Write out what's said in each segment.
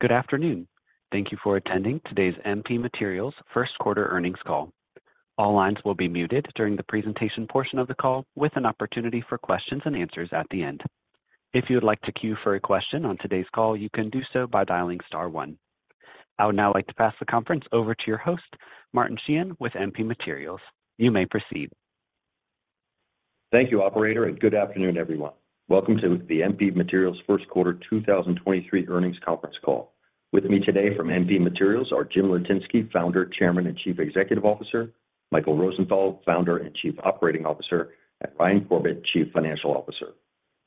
Good afternoon. Thank you for attending today's MP Materials first- quarter earnings call. All lines will be muted during the presentation portion of the call, with an opportunity for questions and answers at the end. If you would like to queue for a question on today's call, you can do so by dialing star one. I would now like to pass the conference over to your host, Martin Sheehan, with MP Materials. You may proceed. Thank you, operator, and good afternoon, everyone. Welcome to the MP Materials first-quarter 2023 earnings conference call. With me today from MP Materials are Jim Litinsky, Founder, Chairman, and Chief Executive Officer; Michael Rosenthal, Founder and Chief Operating Officer and Ryan Corbett, Chief Financial Officer.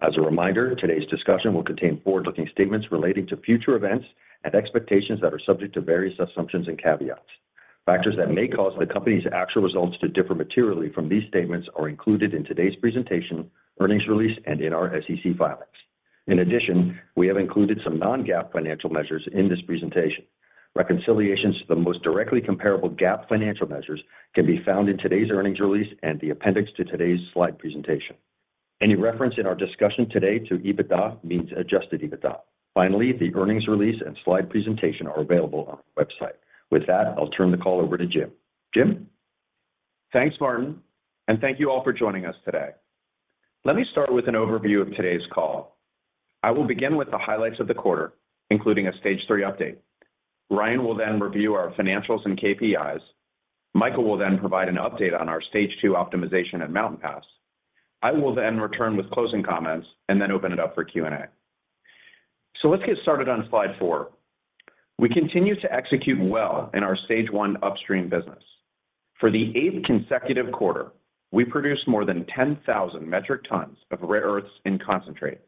As a reminder, today's discussion will contain forward-looking statements relating to future events and expectations that are subject to various assumptions and caveats. Factors that may cause the company's actual results to differ materially from these statements are included in today's presentation, earnings release, and in our SEC filings. In addition, we have included some non-GAAP financial measures in this presentation. Reconciliations to the most directly comparable GAAP financial measures can be found in today's earnings release and the appendix to today's slide presentation. Any reference in our discussion today to EBITDA means adjusted EBITDA. Finally, the earnings release and slide presentation are available on our website. With that, I'll turn the call over to Jim. Jim? Thanks, Martin, and thank you all for joining us today. Let me start with an overview of today's call. I will begin with the highlights of the quarter, including a stage three update. Ryan will then review our financials and KPIs. Michael will then provide an update on our Stage II optimization at Mountain Pass. I will then return with closing comments and then open it up for Q&A. Let's get started on slide four. We continue to execute well in our Stage I upstream business. For the eighth consecutive quarter, we produced more than 10,000 metric tons of rare earths in concentrate.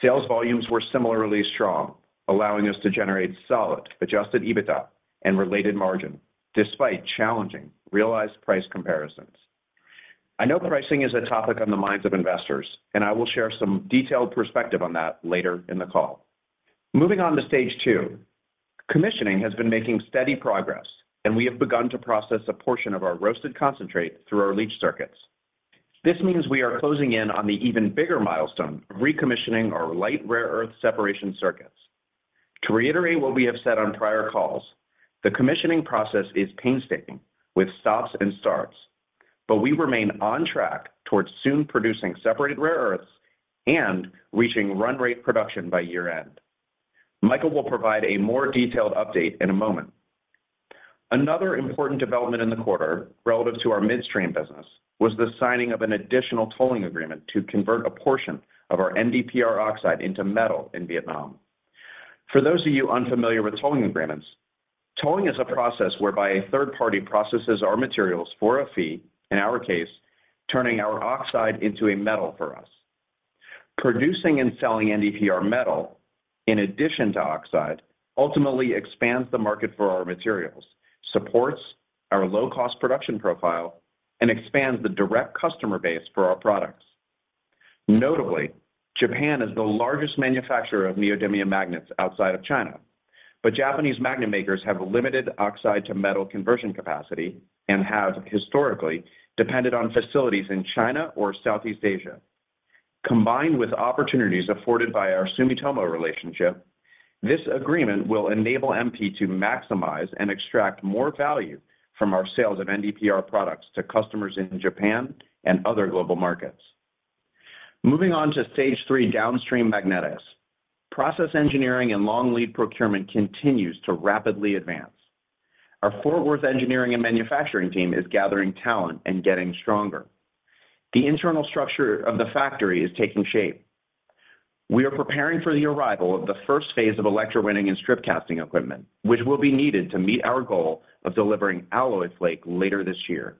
Sales volumes were similarly strong, allowing us to generate solid adjusted EBITDA and related margin despite challenging realized price comparisons. I know pricing is a topic on the minds of investors, and I will share some detailed perspective on that later in the call. Moving on to Stage II, commissioning has been making steady progress. We have begun to process a portion of our roasted concentrate through our leach circuits. This means we are closing in on the even bigger milestone of recommissioning our light rare earth separation circuits. To reiterate what we have said on prior calls, the commissioning process is painstaking with stops and starts, but we remain on track towards soon producing separated rare earths and reaching run rate production by year-end. Michael will provide a more detailed update in a moment. Another important development in the quarter relative to our midstream business was the signing of an additional tolling agreement to convert a portion of our NdPr oxide into metal in Vietnam. For those of you unfamiliar with tolling agreements, tolling is a process whereby a third party processes our materials for a fee, in our case, turning our oxide into a metal for us. Producing and selling NdPr metal in addition to oxide ultimately expands the market for our materials, supports our low-cost production profile, and expands the direct customer base for our products. Notably, Japan is the largest manufacturer of neodymium magnets outside of China, but Japanese magnet makers have limited oxide-to-metal conversion capacity and have historically depended on facilities in China or Southeast Asia. Combined with opportunities afforded by our Sumitomo relationship, this agreement will enable MP to maximize and extract more value from our sales of NdPr products to customers in Japan and other global markets. Moving on to stage three downstream magnetics. Process engineering and long lead procurement continues to rapidly advance. Our Fort Worth engineering and manufacturing team is gathering talent and getting stronger. The internal structure of the factory is taking shape. We are preparing for the arrival of the first phase of electrowinning and strip casting equipment, which will be needed to meet our goal of delivering alloy flake later this year.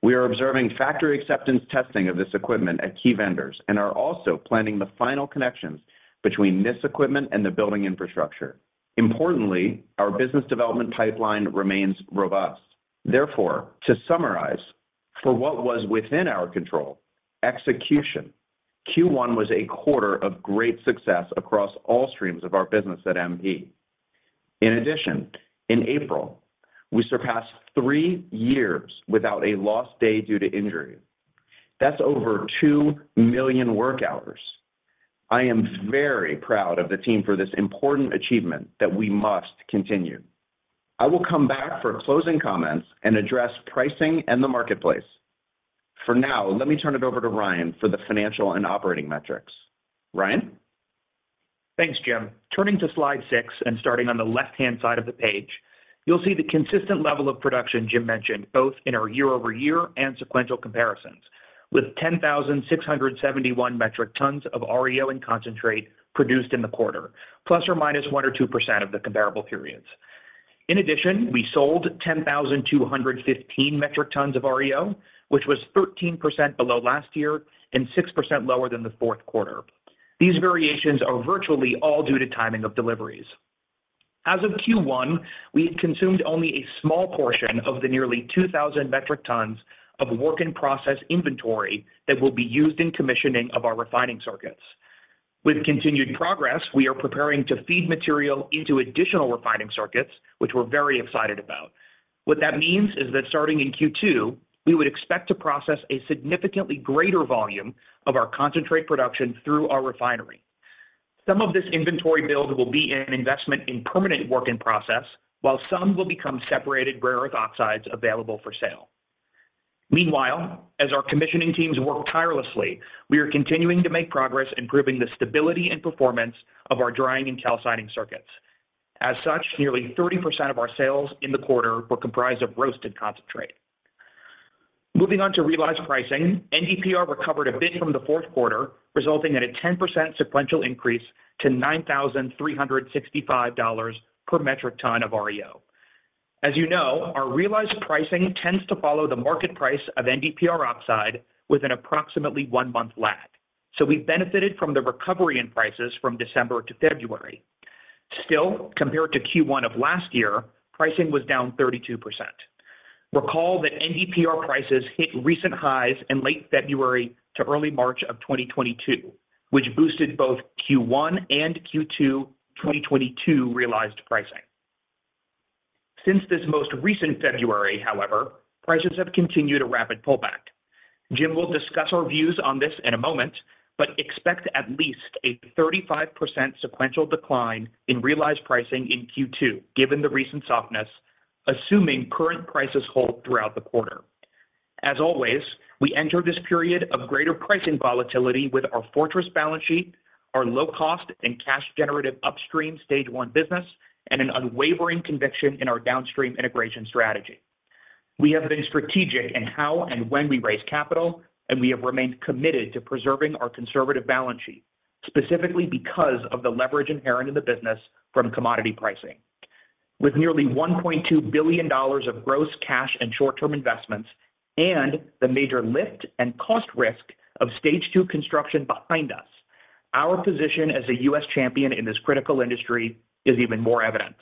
We are observing factory acceptance testing of this equipment at key vendors and are also planning the final connections between this equipment and the building infrastructure. Importantly, our business development pipeline remains robust. Therefore, to summarize, for what was within our control, execution, Q1 was a quarter of great success across all streams of our business at MP. In addition, in April, we surpassed three years without a lost day due to injury. That's over 2 million work hours. I am very proud of the team for this important achievement that we must continue. I will come back for closing comments and address pricing and the marketplace. For now, let me turn it over to Ryan for the financial and operating metrics. Ryan? Thanks, Jim. Turning to slide six and starting on the left-hand side of the page, you'll see the consistent level of production Jim mentioned, both in our year-over-year and sequential comparisons, with 10,671 metric tons of REO and concentrate produced in the quarter, ±1% or 2% of the comparable periods. In addition, we sold 10,215 metric tons of REO, which was 13% below last year and 6% lower than the fourth quarter. These variations are virtually all due to timing of deliveries. As of Q1, we had consumed only a small portion of the nearly 2,000 metric tons of work in process inventory that will be used in commissioning of our refining circuits. With continued progress, we are preparing to feed material into additional refining circuits, which we're very excited about. What that means is that starting in Q2, we would expect to process a significantly greater volume of our concentrate production through our refinery. Some of this inventory build will be in an investment in permanent work in process, while some will become separated rare earth oxides available for sale. Meanwhile, as our commissioning teams work tirelessly, we are continuing to make progress improving the stability and performance of our drying and calcining circuits. As such, nearly 30% of our sales in the quarter were comprised of roasted concentrate. Moving on to realized pricing, NdPr recovered a bit from the fourth quarter, resulting in a 10% sequential increase to $9,365 per metric ton of REO. As you know, our realized pricing tends to follow the market price of NdPr oxide with an approximately one-month lag. We benefited from the recovery in prices from December to February. Still, compared to Q1 of last year, pricing was down 32%. Recall that NdPr prices hit recent highs in late February to early March of 2022, which boosted both Q1 and Q2 2022 realized pricing. Since this most recent February, however, prices have continued a rapid pullback. Jim will discuss our views on this in a moment, expect at least a 35% sequential decline in realized pricing in Q2, given the recent softness, assuming current prices hold throughout the quarter. As always, we enter this period of greater pricing volatility with our fortress balance sheet, our low cost and cash generative Upstream Stage I business, and an unwavering conviction in our Downstream integration strategy. We have been strategic in how and when we raise capital, and we have remained committed to preserving our conservative balance sheet, specifically because of the leverage inherent in the business from commodity pricing. With nearly $1.2 billion of gross cash and short-term investments and the major lift and cost risk of Stage II construction behind us, our position as a U.S. champion in this critical industry is even more evident.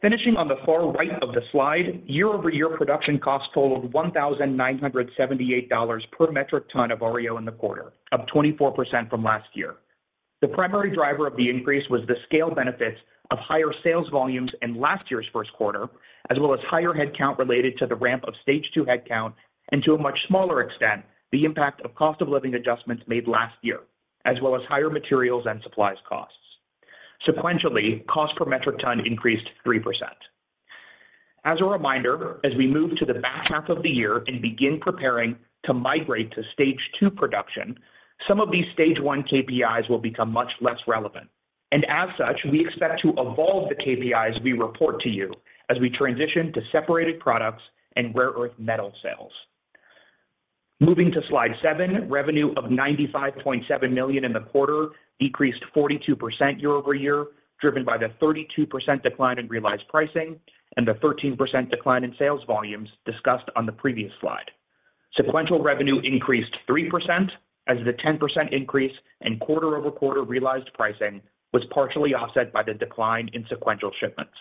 Finishing on the far right of the slide, year-over-year production costs totaled $1,978 per metric ton of REO in the quarter, up 24% from last year. The primary driver of the increase was the scale benefits of higher sales volumes in last year's first quarter, as well as higher headcount related to the ramp of Stage II headcount, and to a much smaller extent, the impact of cost of living adjustments made last year, as well as higher materials and supplies costs. Sequentially, cost per metric ton increased 3%. As a reminder, as we move to the back half of the year and begin preparing to migrate to Stage II production, some of these Stage I KPIs will become much less relevant. As such, we expect to evolve the KPIs we report to you as we transition to separated products and rare earth metal sales. Moving to slide seven, revenue of $95.7 million in the quarter decreased 42% year-over-year, driven by the 32% decline in realized pricing and the 13% decline in sales volumes discussed on the previous slide. Sequential revenue increased 3% as the 10% increase in quarter-over-quarter realized pricing was partially offset by the decline in sequential shipments.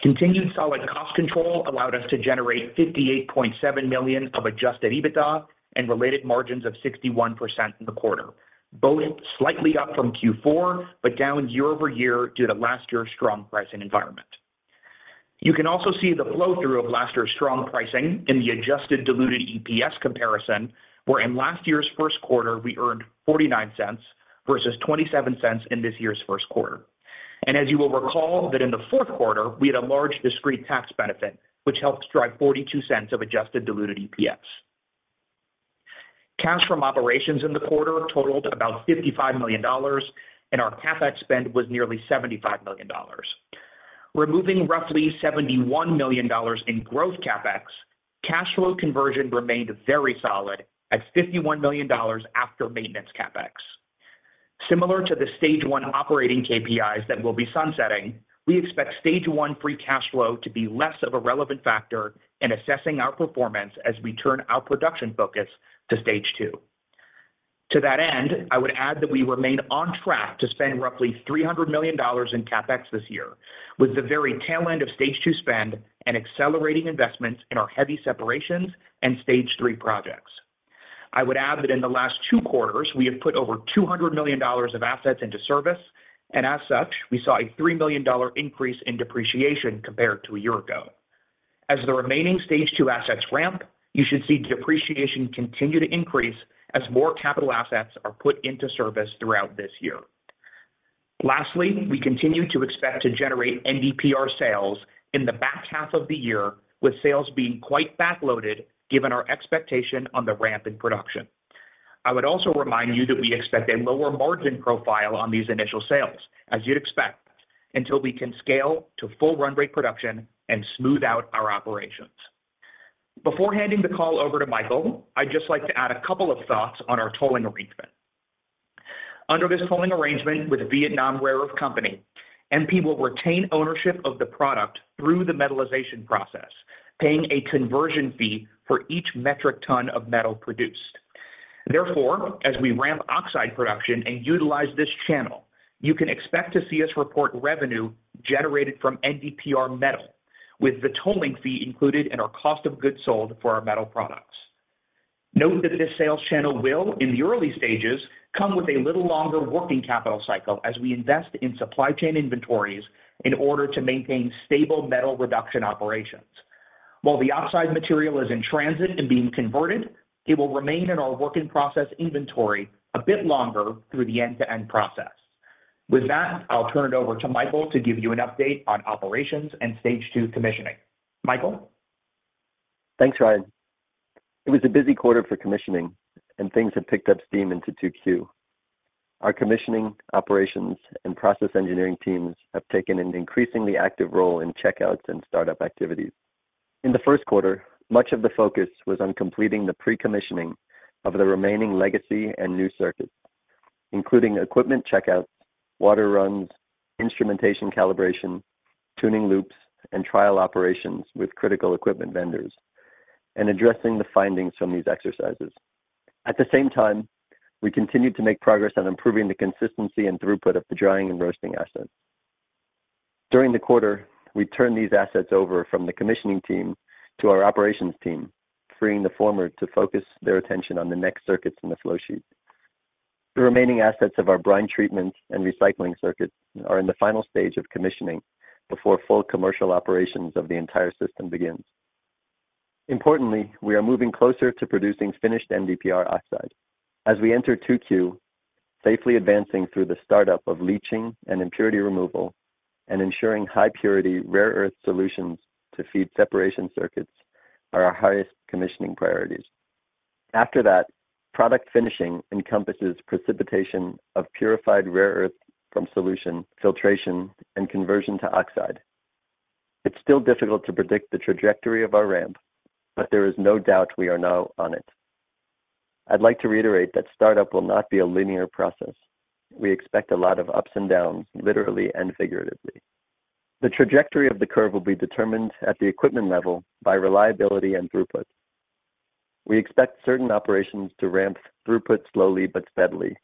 Continued solid cost control allowed us to generate $58.7 million of adjusted EBITDA and related margins of 61% in the quarter, both slightly up from Q4, but down year-over-year due to last year's strong pricing environment. You can also see the flow through of last year's strong pricing in the adjusted diluted EPS comparison, where in last year's first quarter we earned $0.49 versus $0.27 in this year's first quarter. As you will recall that in the fourth quarter, we had a large discrete tax benefit, which helped drive $0.42 of adjusted diluted EPS. Cash from operations in the quarter totaled about $55 million, and our CapEx spend was nearly $75 million. Removing roughly $71 million in growth CapEx, cash flow conversion remained very solid at $51 million after maintenance CapEx. Similar to the Stage I operating KPIs that we'll be sunsetting, we expect Stage I free cash flow to be less of a relevant factor in assessing our performance as we turn our production focus to Stage II. To that end, I would add that we remain on track to spend roughly $300 million in CapEx this year, with the very tail end of Stage II spend and accelerating investments in our heavy separations and Stage Three projects. I would add that in the last two quarters, we have put over $200 million of assets into service, and as such, we saw a $3 million increase in depreciation compared to a year ago. As the remaining Stage II assets ramp, you should see depreciation continue to increase as more capital assets are put into service throughout this year. We continue to expect to generate NdPr sales in the back half of the year, with sales being quite back-loaded given our expectation on the ramp in production. I would also remind you that we expect a lower margin profile on these initial sales, as you'd expect, until we can scale to full run-rate production and smooth out our operations. Before handing the call over to Michael, I'd just like to add a couple of thoughts on our tolling arrangement. Under this tolling arrangement with Vietnam Rare Earth Company, MP will retain ownership of the product through the metallization process, paying a conversion fee for each metric ton of metal produced. As we ramp oxide production and utilize this channel, you can expect to see us report revenue generated from NdPr metal with the tolling fee included in our cost of goods sold for our metal products. Note that this sales channel will, in the early stages, come with a little longer working capital cycle as we invest in supply chain inventories in order to maintain stable metal reduction operations. While the oxide material is in transit and being converted, it will remain in our work in process inventory a bit longer through the end-to-end process. With that, I'll turn it over to Michael to give you an update on operations and Stage II commissioning. Michael? Thanks, Ryan. It was a busy quarter for commissioning, and things have picked up steam into 2Q. Our commissioning operations and process engineering teams have taken an increasingly active role in checkouts and startup activities. In the first quarter, much of the focus was on completing the pre-commissioning of the remaining legacy and new circuits, including equipment checkouts, water runs, instrumentation calibration, tuning loops, and trial operations with critical equipment vendors, and addressing the findings from these exercises. At the same time, we continued to make progress on improving the consistency and throughput of the drying and roasting assets. During the quarter, we turned these assets over from the commissioning team to our operations team, freeing the former to focus their attention on the next circuits in the flowsheet. The remaining assets of our brine treatment and recycling circuits are in the final stage of commissioning before full commercial operations of the entire system begins. Importantly, we are moving closer to producing finished NdPr oxide. As we enter 2Q, safely advancing through the startup of leaching and impurity removal and ensuring high purity rare earth solutions to feed separation circuits are our highest commissioning priorities. After that, product finishing encompasses precipitation of purified rare earth from solution filtration and conversion to oxide. It's still difficult to predict the trajectory of our ramp, but there is no doubt we are now on it. I'd like to reiterate that startup will not be a linear process. We expect a lot of ups and downs, literally and figuratively. The trajectory of the curve will be determined at the equipment level by reliability and throughput. We expect certain operations to ramp throughput slowly but steadily,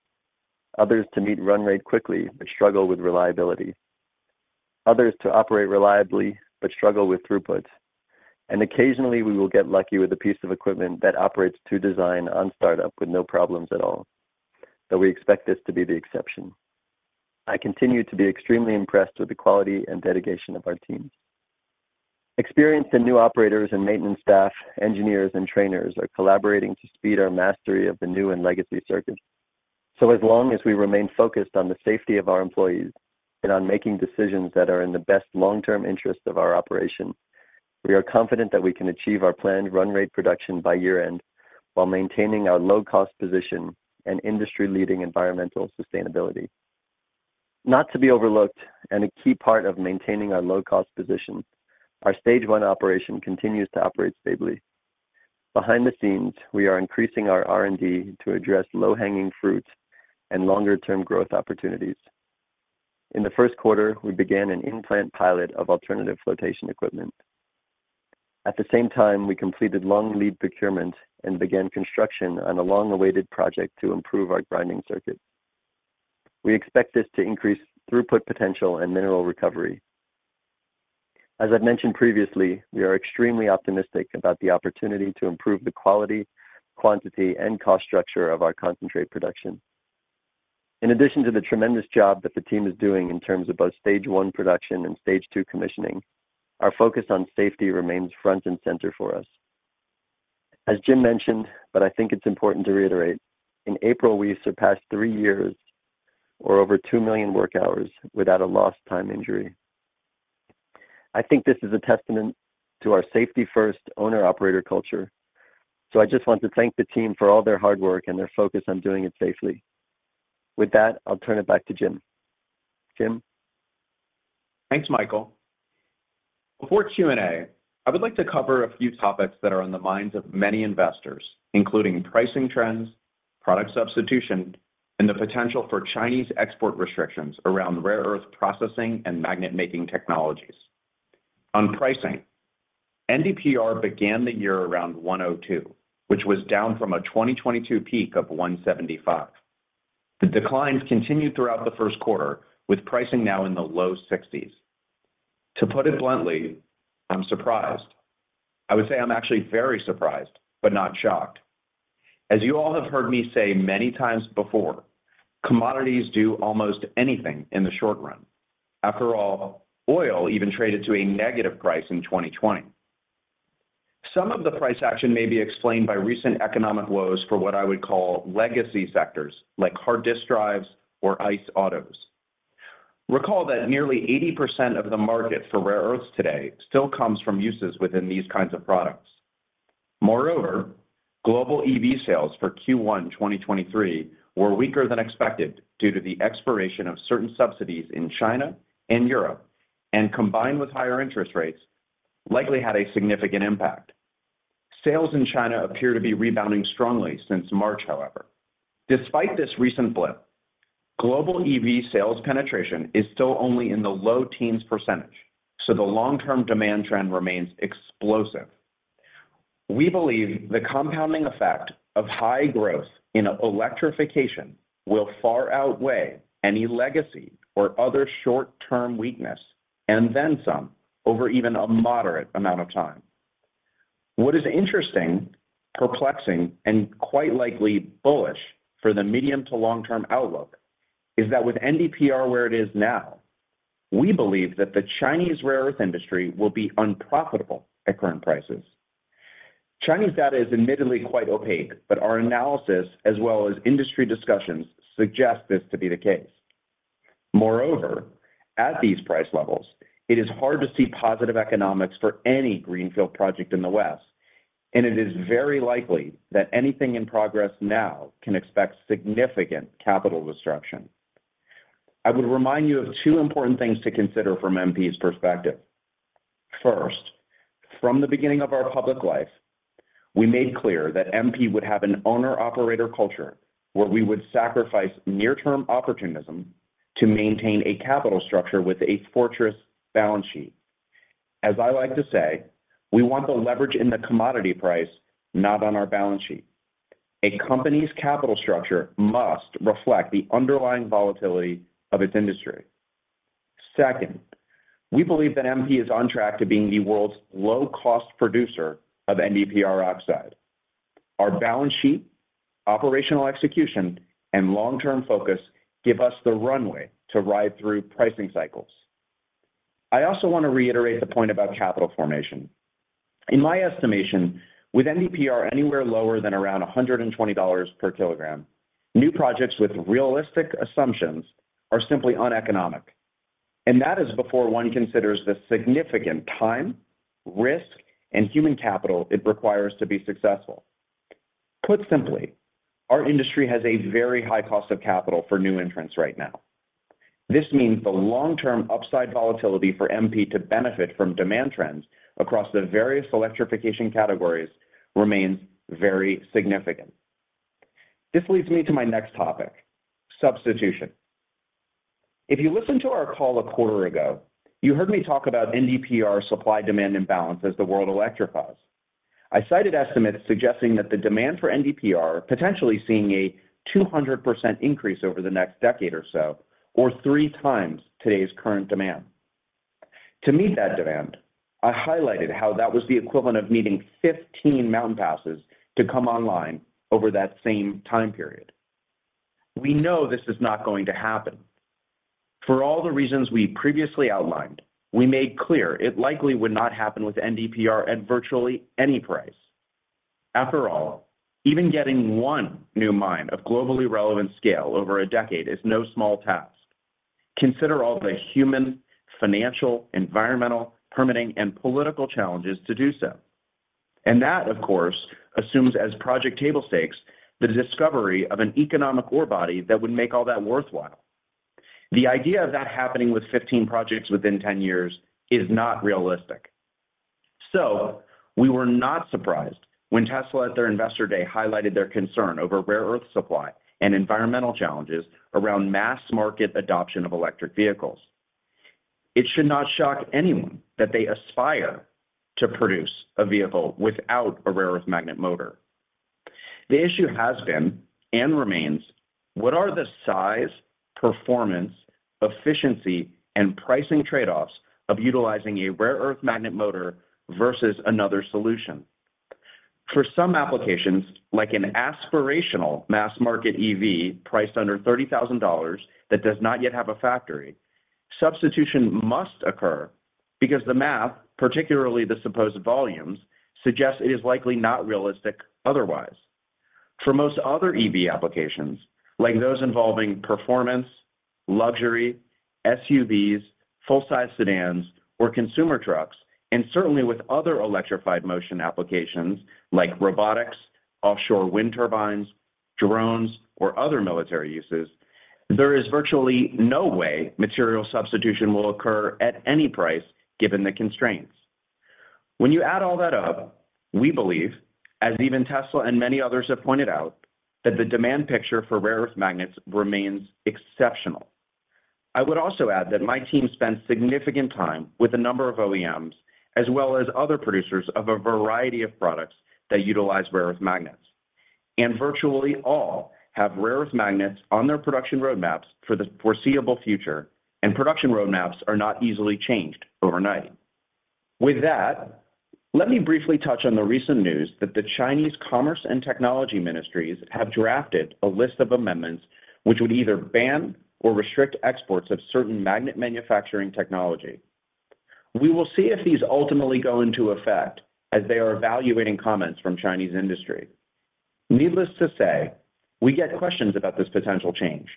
others to meet run rate quickly, but struggle with reliability, others to operate reliably, but struggle with throughput. Occasionally, we will get lucky with a piece of equipment that operates to design on startup with no problems at all, though we expect this to be the exception. I continue to be extremely impressed with the quality and dedication of our teams. Experienced and new operators and maintenance staff, engineers, and trainers are collaborating to speed our mastery of the new and legacy circuits. As long as we remain focused on the safety of our employees and on making decisions that are in the best long-term interest of our operation, we are confident that we can achieve our planned run rate production by year-end while maintaining our low cost position and industry-leading environmental sustainability. Not to be overlooked and a key part of maintaining our low cost position, our Stage I operation continues to operate stably. Behind the scenes, we are increasing our R&D to address low-hanging fruit and longer term growth opportunities. In the first quarter, we began an pilot plant of alternative flotation equipment. At the same time, we completed long lead procurement and began construction on a long-awaited project to improve our grinding circuit. We expect this to increase throughput potential and mineral recovery. As I've mentioned previously, we are extremely optimistic about the opportunity to improve the quality, quantity, and cost structure of our concentrate production. In addition to the tremendous job that the team is doing in terms of both Stage I production and Stage II commissioning, our focus on safety remains front and center for us. As Jim mentioned, I think it's important to reiterate, in April, we surpassed three years or over 2 million work hours without a lost time injury. I think this is a testament to our safety first owner operator culture. I just want to thank the team for all their hard work and their focus on doing it safely. With that, I'll turn it back to Jim. Jim? Thanks, Michael. Before Q&A, I would like to cover a few topics that are on the minds of many investors, including pricing trends, product substitution, and the potential for Chinese export restrictions around rare earth processing and magnet-making technologies. On pricing, NdPr began the year around $102, which was down from a 2022 peak of $175. The declines continued throughout the first quarter, with pricing now in the low $60s. To put it bluntly, I'm surprised. I would say I'm actually very surprised, but not shocked. As you all have heard me say many times before, commodities do almost anything in the short run. After all, oil even traded to a negative price in 2020. Some of the price action may be explained by recent economic woes for what I would call legacy sectors like hard disk drives or ICE autos. Recall that nearly 80% of the market for rare earths today still comes from uses within these kinds of products. Moreover, global EV sales for Q1 2023 were weaker than expected due to the expiration of certain subsidies in China and Europe, and combined with higher interest rates, likely had a significant impact. Sales in China appear to be rebounding strongly since March, however. Despite this recent blip, global EV sales penetration is still only in the low teens percentage, so the long-term demand trend remains explosive. We believe the compounding effect of high growth in electrification will far outweigh any legacy or other short-term weakness and then some over even a moderate amount of time. What is interesting, perplexing, and quite likely bullish for the medium to long term outlook is that with NdPr where it is now, we believe that the Chinese rare earth industry will be unprofitable at current prices. Chinese data is admittedly quite opaque, but our analysis as well as industry discussions suggest this to be the case. Moreover, at these price levels, it is hard to see positive economics for any greenfield project in the West, and it is very likely that anything in progress now can expect significant capital destruction. I would remind you of two important things to consider from MP's perspective. First, from the beginning of our public life, we made clear that MP would have an owner-operator culture where we would sacrifice near-term opportunism to maintain a capital structure with a fortress balance sheet. As I like to say, we want the leverage in the commodity price, not on our balance sheet. A company's capital structure must reflect the underlying volatility of its industry. Second, we believe that MP is on track to being the world's low cost producer of NdPr oxide. Our balance sheet, operational execution, and long term focus give us the runway to ride through pricing cycles. I also want to reiterate the point about capital formation. In my estimation, with NdPr anywhere lower than around $120 per kilogram, new projects with realistic assumptions are simply uneconomic. That is before one considers the significant time, risk, and human capital it requires to be successful. Put simply, our industry has a very high cost of capital for new entrants right now. This means the long term upside volatility for MP to benefit from demand trends across the various electrification categories remains very significant. This leads me to my next topic, substitution. If you listened to our call a quarter ago, you heard me talk about NdPr supply-demand imbalance as the world electrifies. I cited estimates suggesting that the demand for NdPr potentially seeing a 200% increase over the next decade or so, or three times today's current demand. To meet that demand, I highlighted how that was the equivalent of needing 15 Mountain Passes to come online over that same time period. We know this is not going to happen. For all the reasons we previously outlined, we made clear it likely would not happen with NdPr at virtually any price. After all, even getting one new mine of globally relevant scale over a decade is no small task. Consider all the human, financial, environmental, permitting, and political challenges to do so. That, of course, assumes as project table stakes the discovery of an economic ore body that would make all that worthwhile. The idea of that happening with 15 projects within 10 years is not realistic. We were not surprised when Tesla at their Investor Day highlighted their concern over rare earth supply and environmental challenges around mass market adoption of electric vehicles. It should not shock anyone that they aspire to produce a vehicle without a rare earth magnet motor. The issue has been and remains, what are the size, performance, efficiency, and pricing trade-offs of utilizing a rare earth magnet motor versus another solution? For some applications, like an aspirational mass market EV priced under $30,000 that does not yet have a factory, substitution must occur because the math, particularly the supposed volumes, suggests it is likely not realistic otherwise. For most other EV applications, like those involving performance, luxury, SUVs, full-size sedans, or consumer trucks, and certainly with other electrified motion applications like robotics, offshore wind turbines, drones, or other military uses, there is virtually no way material substitution will occur at any price given the constraints. When you add all that up, we believe, as even Tesla and many others have pointed out, that the demand picture for rare earth magnets remains exceptional. I would also add that my team spent significant time with a number of OEMs as well as other producers of a variety of products that utilize rare earth magnets. Virtually all have rare earth magnets on their production roadmaps for the foreseeable future, and production roadmaps are not easily changed overnight. With that, let me briefly touch on the recent news that the Chinese Commerce and Technology Ministries have drafted a list of amendments which would either ban or restrict exports of certain magnet manufacturing technology. We will see if these ultimately go into effect as they are evaluating comments from Chinese industry. Needless to say, we get questions about this potential change.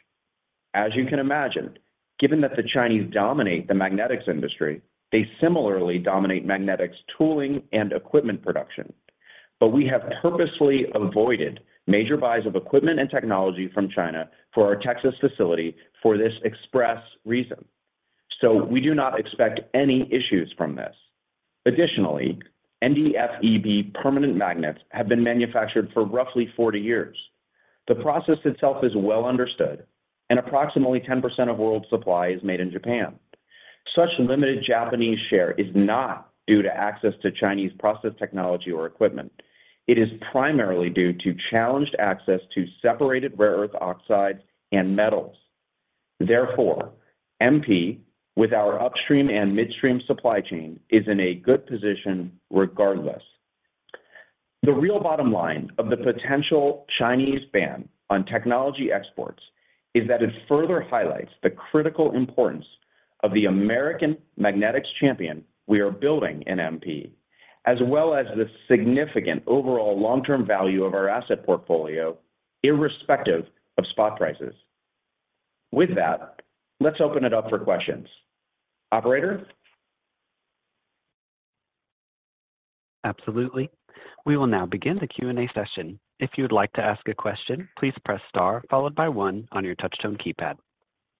As you can imagine, given that the Chinese dominate the magnetics industry, they similarly dominate magnetics tooling and equipment production. We have purposely avoided major buys of equipment and technology from China for our Texas facility for this express reason. We do not expect any issues from this. Additionally, NdFeB permanent magnets have been manufactured for roughly 40 years. The process itself is well understood, and approximately 10% of world supply is made in Japan. Such limited Japanese share is not due to access to Chinese process technology or equipment. It is primarily due to challenged access to separated rare earth oxides and metals. Therefore, MP, with our upstream and midstream supply chain, is in a good position regardless. The real bottom line of the potential Chinese ban on technology exports is that it further highlights the critical importance of the American magnetics champion we are building in MP, as well as the significant overall long-term value of our asset portfolio irrespective of spot prices. With that, let's open it up for questions. Operator? Absolutely. We will now begin the Q&A session. If you would like to ask a question, please press star followed by one on your touch tone keypad.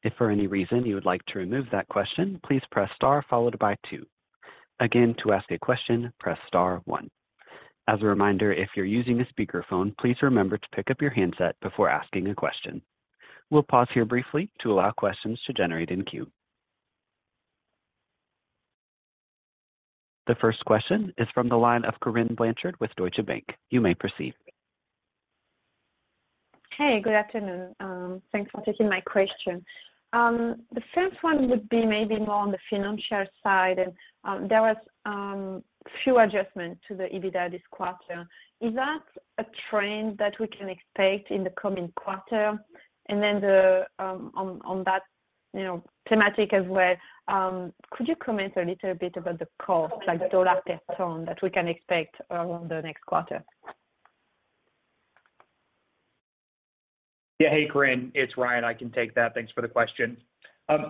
If for any reason you would like to remove that question, please press star followed by two. Again, to ask a question, press star one. As a reminder, if you're using a speakerphone, please remember to pick up your handset before asking a question. We'll pause here briefly to allow questions to generate in queue. The first question is from the line of Corinne Blanchard with Deutsche Bank. You may proceed. Hey, good afternoon. Thanks for taking my question. The first one would be maybe more on the financial side. There was few adjustments to the EBITDA this quarter. Is that a trend that we can expect in the coming quarter? The on that, you know, thematic as well, could you comment a little bit about the cost, like dollar per ton that we can expect around the next quarter? Yeah. Hey, Corinne, it's Ryan. I can take that. Thanks for the question.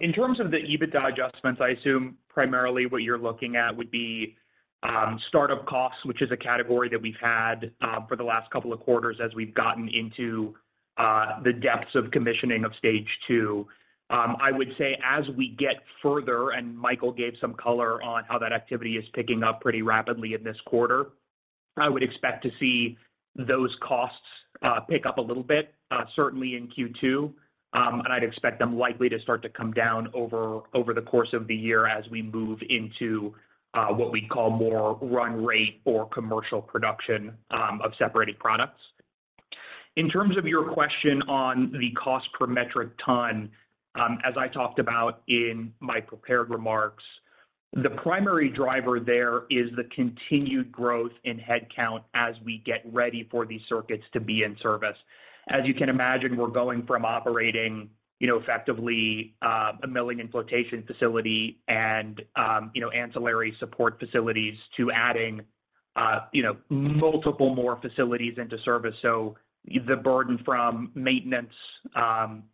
In terms of the EBITDA adjustments, I assume primarily what you're looking at would be start-up costs, which is a category that we've had for the last couple of quarters as we've gotten into the depths of commissioning of Stage II. I would say as we get further, Michael gave some color on how that activity is picking up pretty rapidly in this quarter. I would expect to see those costs pick up a little bit, certainly in Q2. I'd expect them likely to start to come down over the course of the year as we move into what we'd call more run rate or commercial production of separated products. In terms of your question on the cost per metric ton, as I talked about in my prepared remarks, the primary driver there is the continued growth in headcount as we get ready for these circuits to be in service. As you can imagine, we're going from operating, you know, effectively, a milling and flotation facility and, you know, ancillary support facilities to adding, you know, multiple more facilities into service. The burden from maintenance,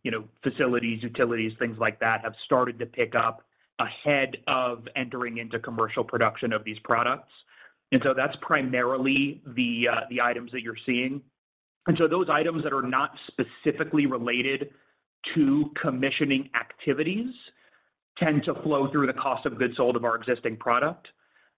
you know, facilities, utilities, things like that, have started to pick up ahead of entering into commercial production of these products. That's primarily the items that you're seeing. Those items that are not specifically related to commissioning activities tend to flow through the cost of goods sold of our existing product.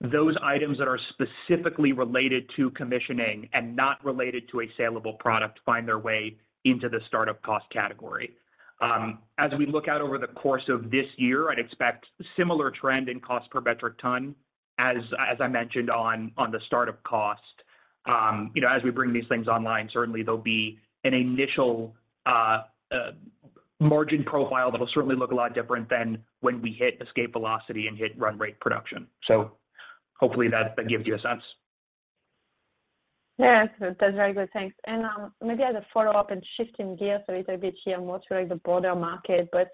Those items that are specifically related to commissioning and not related to a saleable product find their way into the start-up cost category. As we look out over the course of this year, I'd expect similar trend in cost per metric ton. As I mentioned on the start-up cost, you know, as we bring these things online, certainly there'll be an initial margin profile that'll certainly look a lot different than when we hit escape velocity and hit run rate production. Hopefully that gives you a sense. Yeah. That's very good. Thanks. Maybe as a follow-up and shifting gears a little bit here more toward the broader market, but,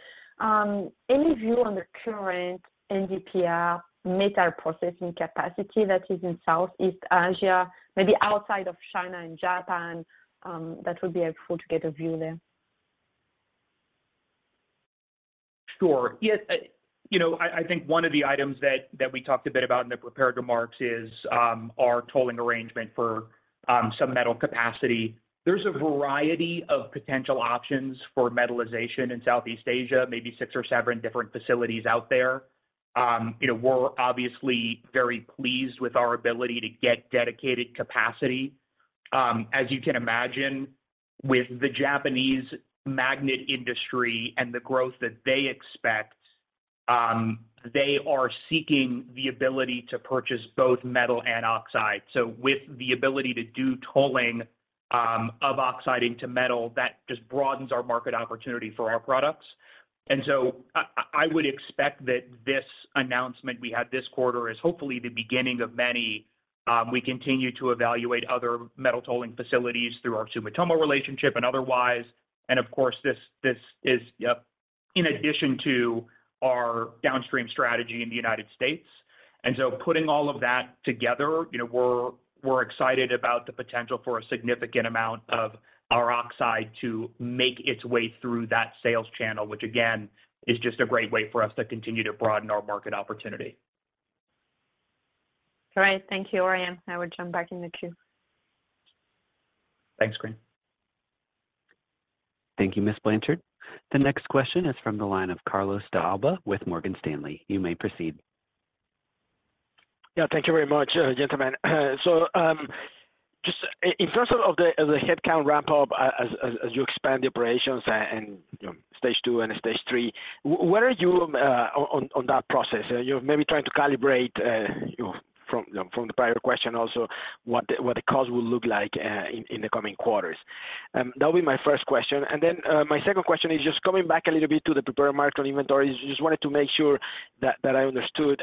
any view on the current NdPr metal processing capacity that is in Southeast Asia, maybe outside of China and Japan, that would be helpful to get a view there. Sure. Yes. You know, I think one of the items that we talked a bit about in the prepared remarks is, our tolling arrangement for, some metal capacity. There's a variety of potential options for metallization in Southeast Asia, maybe six or seven different facilities out there. You know, we're obviously very pleased with our ability to get dedicated capacity. As you can imagine, with the Japanese magnet industry and the growth that they expect, they are seeking the ability to purchase both metal and oxide. With the ability to do tolling, of oxide into metal, that just broadens our market opportunity for our products. I, I would expect that this announcement we had this quarter is hopefully the beginning of many. We continue to evaluate other metal tolling facilities through our Sumitomo relationship and otherwise, of course, this is in addition to our downstream strategy in the United States. Putting all of that together, you know, we're excited about the potential for a significant amount of our oxide to make its way through that sales channel, which again, is just a great way for us to continue to broaden our market opportunity. All right. Thank you, Ryan. I would jump back in the queue. Thanks, Corinne. Thank you, Ms. Blanchard. The next question is from the line of Carlos de Alba with Morgan Stanley. You may proceed. Thank you very much, gentlemen. In terms of the headcount ramp up as you expand the operations and, you know, Stage II and stage three, where are you on that process? You're maybe trying to calibrate, you know, from the prior question also what the cost will look like in the coming quarters. That'll be my first question. My second question is just coming back a little bit to the prepared market inventory. Just wanted to make sure that I understood.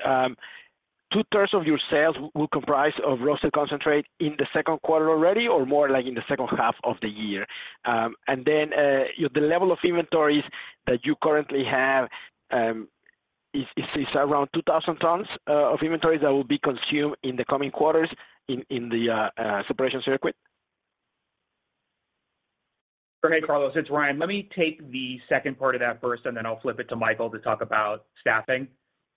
2/3 of your sales will comprise of roasted concentrate in the second quarter already or more like in the second half of the year? The level of inventories that you currently have, is around 2,000 tons of inventories that will be consumed in the coming quarters in the separation circuit. Carlos, it's Ryan. Let me take the second part of that first, and then I'll flip it to Michael to talk about staffing.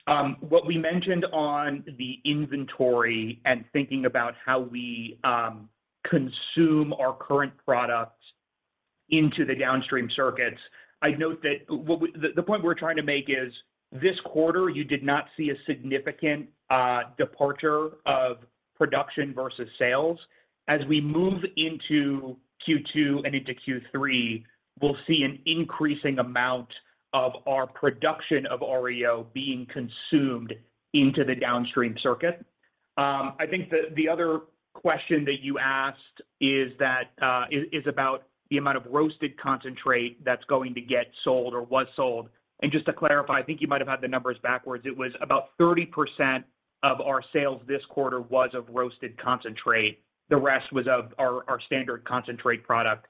What we mentioned on the inventory and thinking about how we consume our current product into the downstream circuits. I'd note that the point we're trying to make is this quarter you did not see a significant departure of production versus sales. We move into Q2 and into Q3, we'll see an increasing amount of our production of REO being consumed into the downstream circuit. I think the other question that you asked is about the amount of roasted concentrate that's going to get sold or was sold. Just to clarify, I think you might have had the numbers backwards. It was about 30% of our sales this quarter was of roasted concentrate. The rest was of our standard concentrate product.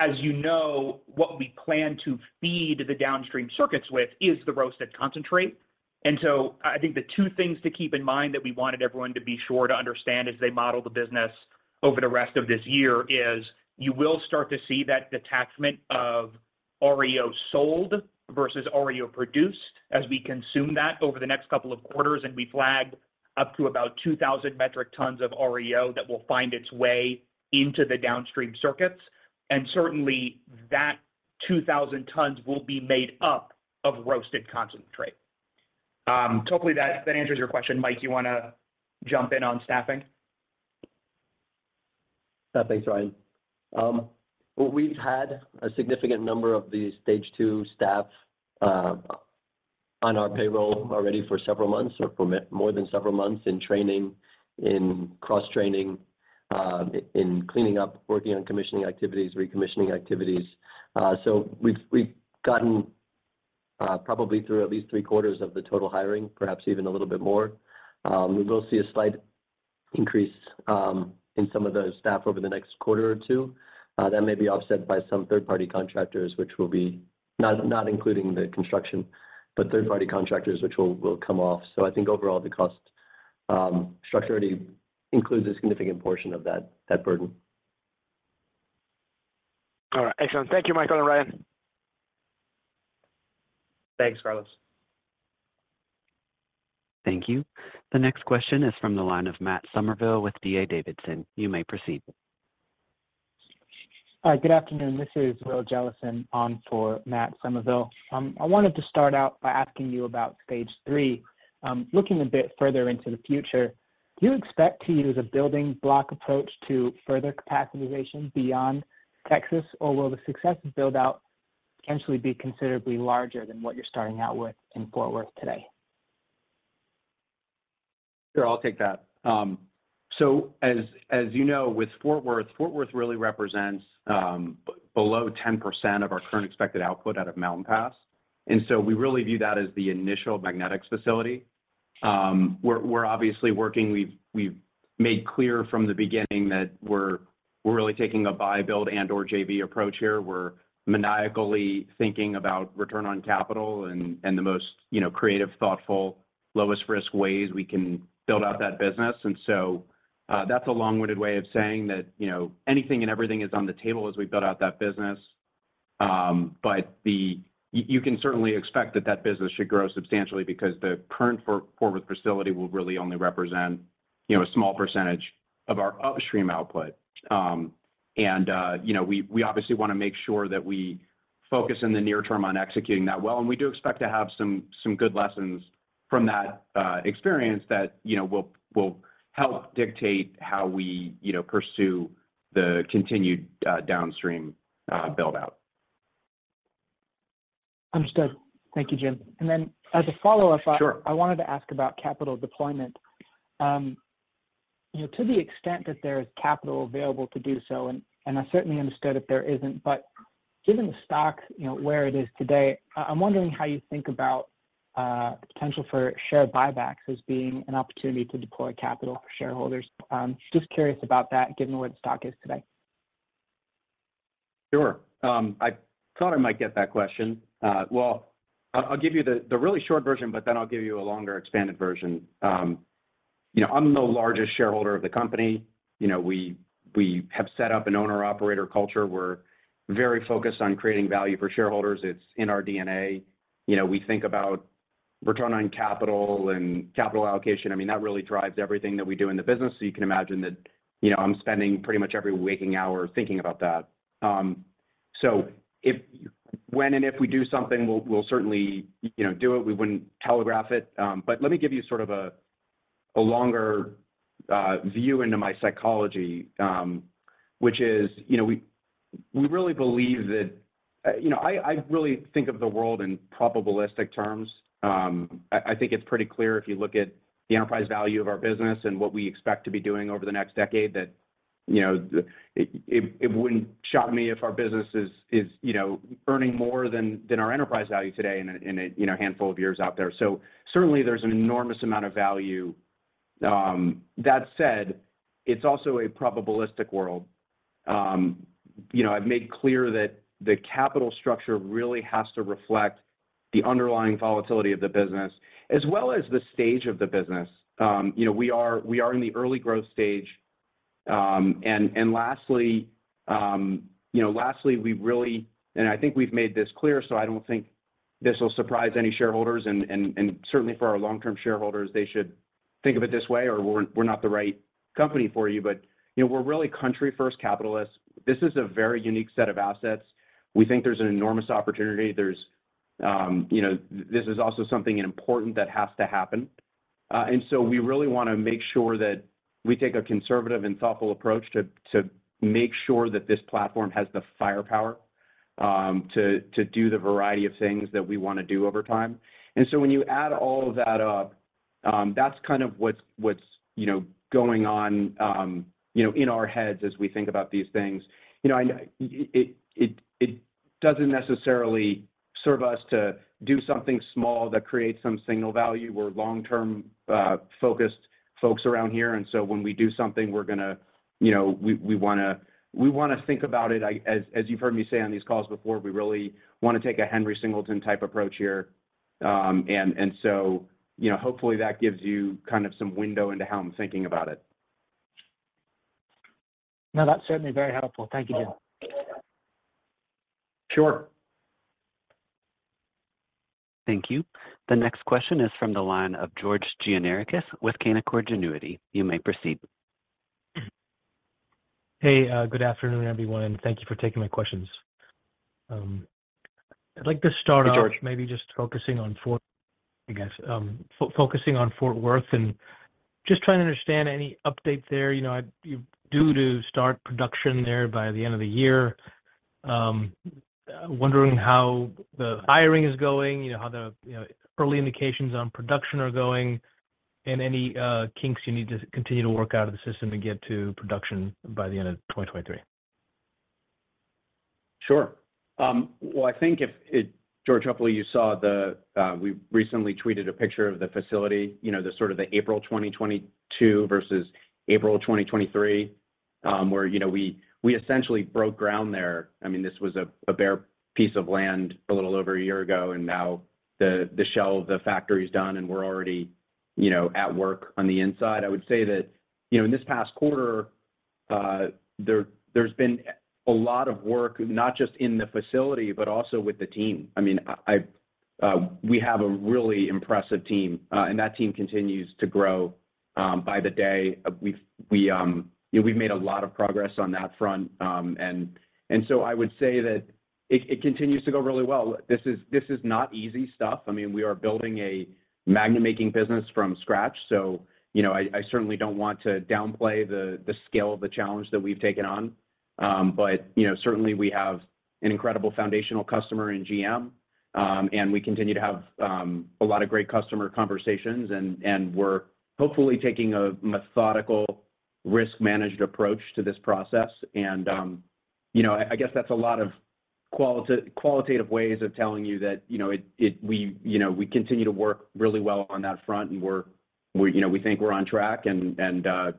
As you know, what we plan to feed the downstream circuits with is the roasted concentrate. I think the two things to keep in mind that we wanted everyone to be sure to understand as they model the business over the rest of this year is you will start to see that detachment of REO sold versus REO produced as we consume that over the next couple of quarters, and we flag up to about 2,000 metric tons of REO that will find its way into the downstream circuits. Certainly that 2,000 tons will be made up of roasted concentrate. Hopefully that answers your question. Mike, you wanna jump in on staffing? Thanks, Ryan. Well, we've had a significant number of the Stage II staff on our payroll already for several months or for more than several months in training, in cross-training, in cleaning up, working on commissioning activities, recommissioning activities. We've gotten probably through at least three-quarters of the total hiring, perhaps even a little bit more. We will see a slight increase in some of those staff over the next quarter or two that may be offset by some third-party contractors, which will be not including the construction, but third-party contractors, which will come off. I think overall, the cost structure already includes a significant portion of that burden. All right. Excellent. Thank you, Michael and Ryan. Thanks, Carlos. Thank you. The next question is from the line of Matt Summerville with D.A. Davidson. You may proceed. Hi. Good afternoon. This is Will Jellison on for Matt Summerville. I wanted to start out by asking you about Stage three. Looking a bit further into the future, do you expect to use a building block approach to further capacitization beyond Texas, or will the success of build-out potentially be considerably larger than what you're starting out with in Fort Worth today? Sure. I'll take that. As you know, with Fort Worth, Fort Worth really represents below 10% of our current expected output out of Mountain Pass. We really view that as the initial magnetics facility. We're obviously working. We've made clear from the beginning that we're really taking a buy, build and/or JV approach here. We're maniacally thinking about return on capital and the most, you know, creative, thoughtful, lowest risk ways we can build out that business. That's a long-winded way of saying that, you know, anything and everything is on the table as we build out that business. You can certainly expect that that business should grow substantially because the current Fort Worth facility will really only represent, you know, a small percentage of our upstream output. You know, we obviously wanna make sure that we focus in the near term on executing that well, and we do expect to have some good lessons from that experience that, you know, will help dictate how we, you know, pursue the continued, downstream, build-out. Understood. Thank you, Jim. As a follow-up. Sure. I wanted to ask about capital deployment. You know, to the extent that there is capital available to do so, and I certainly understood if there isn't, but given the stock, you know, where it is today, I'm wondering how you think about potential for share buybacks as being an opportunity to deploy capital for shareholders? Just curious about that given where the stock is today. Sure. I thought I might get that question. Well, I'll give you the really short version, but then I'll give you a longer expanded version. You know, I'm the largest shareholder of the company. You know, we have set up an owner-operator culture. We're very focused on creating value for shareholders. It's in our DNA. You know, we think about return on capital and capital allocation. I mean, that really drives everything that we do in the business. You can imagine that, you know, I'm spending pretty much every waking hour thinking about that. When and if we do something, we'll certainly, you know, do it. We wouldn't telegraph it. Let me give you sort of a longer view into my psychology, which is, you know, we really believe that. You know, I really think of the world in probabilistic terms. I think it's pretty clear if you look at the enterprise value of our business and what we expect to be doing over the next decade that, you know, it wouldn't shock me if our business is, you know, earning more than our enterprise value today in a, you know, handful of years out there. Certainly there's an enormous amount of value. That said, it's also a probabilistic world. You know, I've made clear that the capital structure really has to reflect the underlying volatility of the business as well as the stage of the business. You know, we are in the early growth stage. Lastly, you know, lastly, and I think we've made this clear, so I don't think this will surprise any shareholders, and certainly for our long-term shareholders, they should think of it this way, or we're not the right company for you. You know, we're really country-first capitalists. This is a very unique set of assets. We think there's an enormous opportunity. There's, you know, this is also something important that has to happen. We really wanna make sure that we take a conservative and thoughtful approach to make sure that this platform has the firepower, to do the variety of things that we wanna do over time. When you add all of that up, that's kind of what's, you know, going on, you know, in our heads as we think about these things. You know, it doesn't necessarily serve us to do something small that creates some signal value. We're long-term focused folks around here, When we do something, we're gonna, you know, we wanna think about it, as you've heard me say on these calls before, we really wanna take a Henry Singleton-type approach here. You know, hopefully, that gives you kind of some window into how I'm thinking about it. No, that's certainly very helpful. Thank you, Jim. Sure. Thank you. The next question is from the line of George Gianarikas with Canaccord Genuity. You may proceed. Hey, good afternoon, everyone, and thank you for taking my questions. I'd like to start. Hey, George. Maybe just focusing on Fort, I guess, focusing on Fort Worth and just trying to understand any update there. You know, you're due to start production there by the end of the year. Wondering how the hiring is going, you know, how the, you know, early indications on production are going and any kinks you need to continue to work out of the system to get to production by the end of 2023. Sure. Well, I think George, hopefully you saw the, we recently tweeted a picture of the facility, you know, the sort of the April 2022 versus April 2023, where, you know, we essentially broke ground there. I mean, this was a bare piece of land a little over a year ago, and now the shell of the factory's done, and we're already, you know, at work on the inside. I would say that, you know, in this past quarter, there's been a lot of work not just in the facility, but also with the team. I mean, I have a really impressive team, and that team continues to grow by the day. We've, you know, we've made a lot of progress on that front. I would say that it continues to go really well. This is not easy stuff. I mean, we are building a magnet-making business from scratch, so, you know, I certainly don't want to downplay the scale of the challenge that we've taken on. You know, certainly we have an incredible foundational customer in GM, and we continue to have a lot of great customer conversations and we're hopefully taking a methodical risk-managed approach to this process. You know, I guess that's a lot of qualitative ways of telling you that, you know, it, we, you know, we continue to work really well on that front and we're, we, you know, we think we're on track and,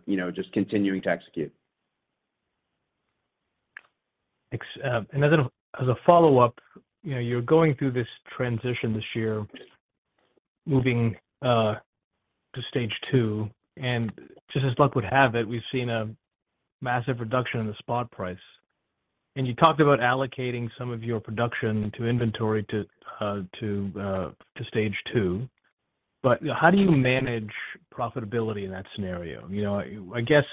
you know, just continuing to execute. As an, as a follow-up, you know, you're going through this transition this year moving to Stage II, just as luck would have it, we've seen a massive reduction in the spot price. You talked about allocating some of your production to inventory to Stage II. How do you manage profitability in that scenario? You know, I guess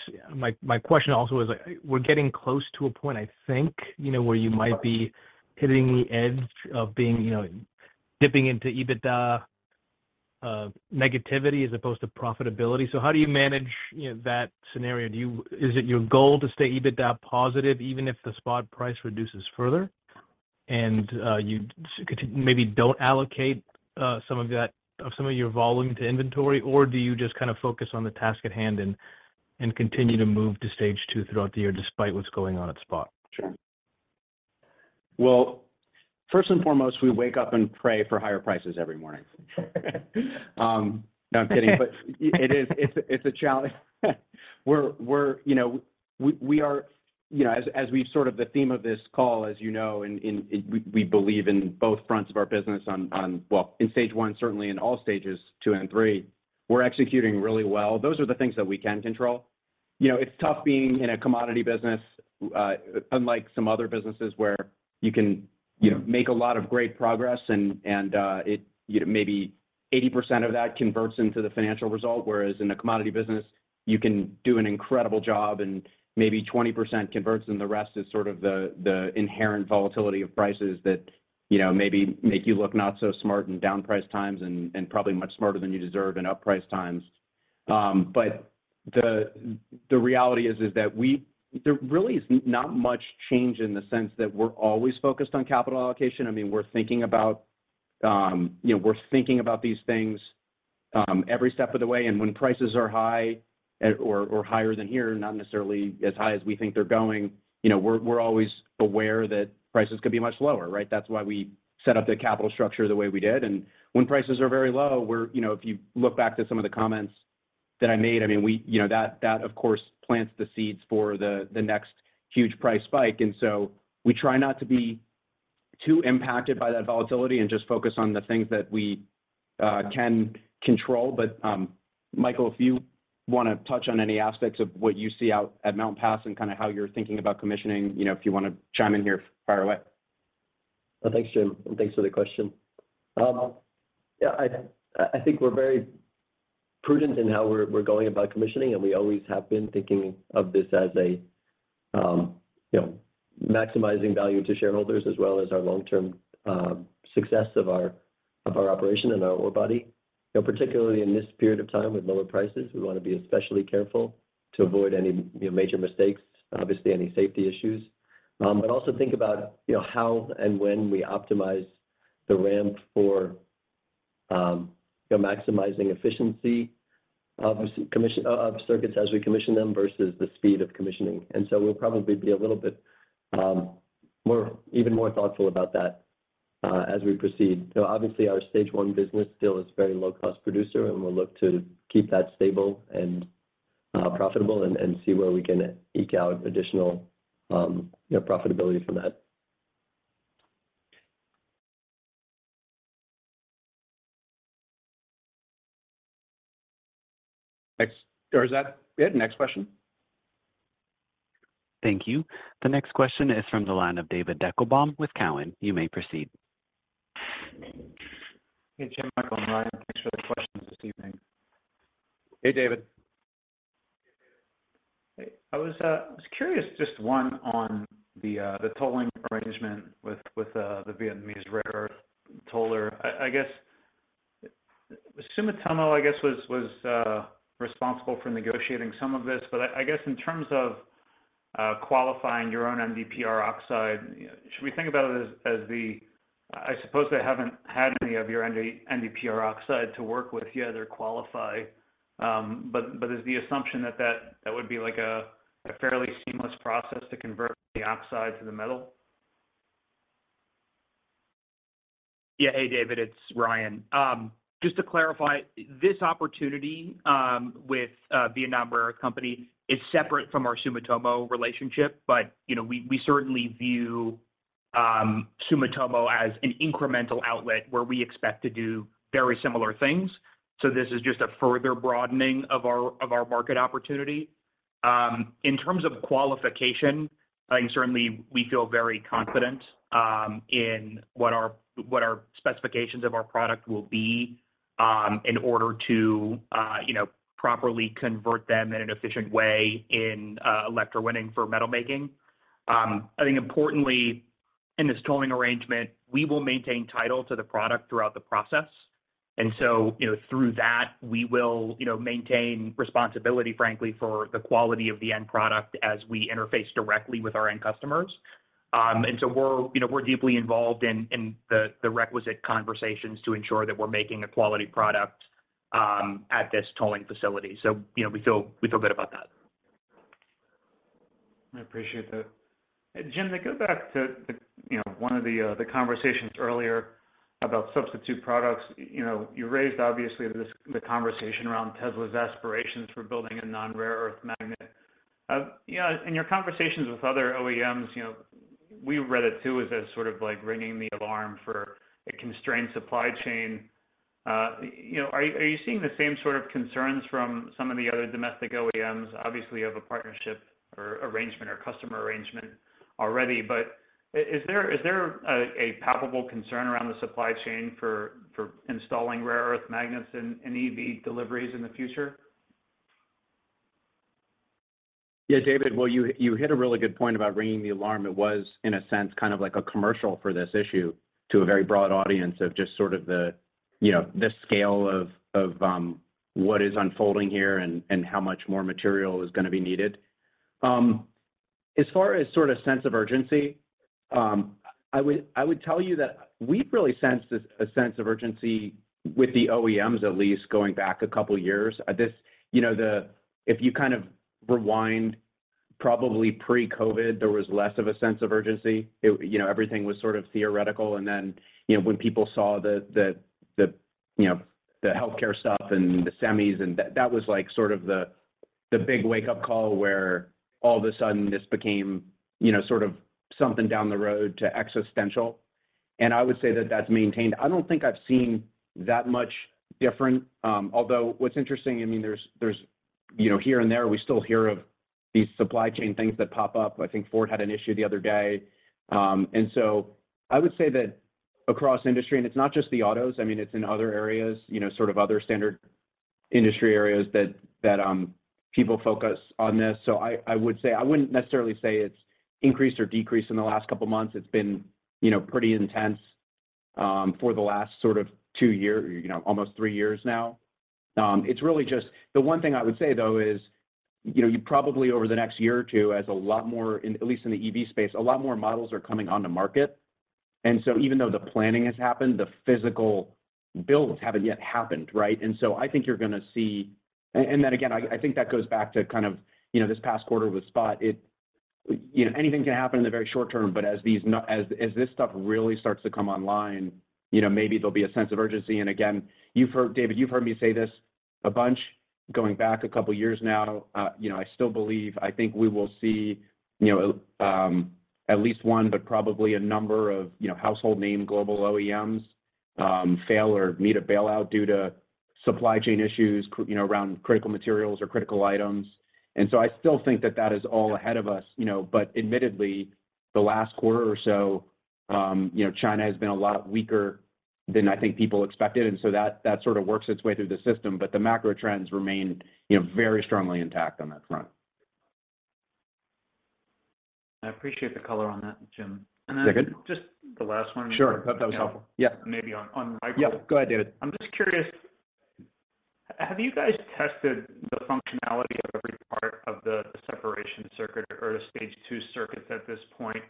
my question also is, we're getting close to a point, I think, you know, where you might be hitting the edge of being, you know, dipping into EBITDA negativity as opposed to profitability. How do you manage, you know, that scenario? Is it your goal to stay EBITDA positive even if the spot price reduces further, and you maybe don't allocate some of your volume to inventory? Do you just kind of focus on the task at hand and continue to move to Stage II throughout the year despite what's going on at spot? Sure. Well, first and foremost, we wake up and pray for higher prices every morning. No, I'm kidding. It is, it's a challenge. We're, you know, we are, you know, as we've sort of the theme of this call, as you know, in, we believe in both fronts of our business on. Well, in Stage I, certainly in all Stages two and three we're executing really well. Those are the things that we can control. You know, it's tough being in a commodity business, unlike some other businesses where you can, you know, make a lot of great progress and, it, you know, maybe 80% of that converts into the financial result. Whereas in a commodity business, you can do an incredible job and maybe 20% converts, and the rest is sort of the inherent volatility of prices that, you know, maybe make you look not so smart in down price times and probably much smarter than you deserve in up price times. But the reality is that we, there really is not much change in the sense that we're always focused on capital allocation. I mean, we're thinking about, you know, we're thinking about these things, every step of the way. When prices are high or higher than here, not necessarily as high as we think they're going, you know, we're always aware that prices could be much lower, right? That's why we set up the capital structure the way we did. When prices are very low, we're... You know, if you look back to some of the comments that I made, I mean, we, you know, that of course, plants the seeds for the next huge price spike. We try not to be too impacted by that volatility and just focus on the things that we can control. Michael, if you want to touch on any aspects of what you see out at Mountain Pass and kind of how you're thinking about commissioning, you know, if you want to chime in here, fire away. Well, thanks, Jim, and thanks for the question. Yeah, I think we're very prudent in how we're going about commissioning, and we always have been thinking of this as a, you know, maximizing value to shareholders as well as our long-term success of our operation and our ore body. You know, particularly in this period of time with lower prices, we want to be especially careful to avoid any, you know, major mistakes, obviously, any safety issues. But also think about, you know, how and when we optimize the ramp for, you know, maximizing efficiency, obviously, of circuits as we commission them versus the speed of commissioning. We'll probably be a little bit more, even more thoughtful about that as we proceed. Obviously, our Stage I business still is very low cost producer, and we'll look to keep that stable and profitable and see where we can eke out additional, you know, profitability from that. Next. Is that it? Next question. Thank you. The next question is from the line of David Deckelbaum with Cowen. You may proceed. Hey, Jim, Michael, and Ryan. Thanks for the questions this evening. Hey, David. Hey. I was curious, just one on the tolling arrangement with the Vietnamese rare earth toller. I guess Sumitomo was responsible for negotiating some of this. I guess in terms of qualifying your own NdPr oxide, should we think about it? I suppose they haven't had any of your NdPr oxide to work with yet or qualify. Is the assumption that that would be like a fairly seamless process to convert the oxide to the metal? Yeah. Hey, David, it's Ryan. Just to clarify, this opportunity with Vietnam Rare Earth Company is separate from our Sumitomo relationship. You know, we certainly view Sumitomo as an incremental outlet where we expect to do very similar things. This is just a further broadening of our, of our market opportunity. In terms of qualification, I think certainly we feel very confident in what our, what our specifications of our product will be in order to, you know, properly convert them in an efficient way in electrowinning for metal making. I think importantly in this tolling arrangement, we will maintain title to the product throughout the process. You know, through that, we will, you know, maintain responsibility, frankly, for the quality of the end product as we interface directly with our end customers. We're, you know, we're deeply involved in the requisite conversations to ensure that we're making a quality product at this tolling facility. You know, we feel good about that. I appreciate that. Jim, to go back to the, you know, one of the conversations earlier about substitute products. You know, you raised obviously this, the conversation around Tesla's aspirations for building a non-rare earth magnet. You know, in your conversations with other OEMs, you know, we read it too as this sort of like ringing the alarm for a constrained supply chain. You know, are you seeing the same sort of concerns from some of the other domestic OEMs? Obviously, you have a partnership or arrangement or customer arrangement already. But is there a palpable concern around the supply chain for installing rare earth magnets in EV deliveries in the future? Yeah, David. Well, you hit a really good point about ringing the alarm. It was, in a sense, kind of like a commercial for this issue to a very broad audience of just sort of the, you know, the scale of what is unfolding here and how much more material is gonna be needed. As far as sort of sense of urgency, I would tell you that we've really sensed a sense of urgency with the OEMs at least going back a couple years. This, you know, if you kind of rewind probably pre-COVID, there was less of a sense of urgency. It, you know, everything was sort of theoretical. You know, when people saw the, you know, the healthcare stuff and the semis, and that was like sort of the big wake-up call where all of a sudden this became, you know, sort of something down the road to existential. I would say that that's maintained. I don't think I've seen that much different. Although what's interesting, I mean, there's, you know, here and there, we still hear of these supply chain things that pop up. I think Ford had an issue the other day. I would say that across industry, and it's not just the autos, I mean, it's in other areas, you know, sort of other standard industry areas that people focus on this. I wouldn't necessarily say it's increased or decreased in the last couple months. It's been, you know, pretty intense for the last sort of two year, you know, almost three years now. The one thing I would say though is, you know, you probably over the next year or two as a lot more, in at least in the EV space, a lot more models are coming onto market. Even though the planning has happened, the physical builds haven't yet happened, right? I think you're gonna see. Then again, I think that goes back to kind of, you know, this past quarter with Spot. You know, anything can happen in the very short term, but as this stuff really starts to come online, you know, maybe there'll be a sense of urgency. You've heard, David, you've heard me say this a bunch going back a couple of years now. You know, I still believe, I think we will see, you know, at least one, but probably a number of, you know, household name global OEMs fail or need a bailout due to supply chain issues, you know, around critical materials or critical items. I still think that that is all ahead of us, you know. Admittedly, the last quarter or so, you know, China has been a lot weaker than I think people expected, and so that sort of works its way through the system. The macro trends remain, you know, very strongly intact on that front. I appreciate the color on that, Jim. Is that good? Just the last one. Sure. Hope that was helpful. Yeah. Maybe on... Yeah. Go ahead, David. I'm just curious, have you guys tested the functionality of every part of the separation circuit or the Stage II circuits at this point?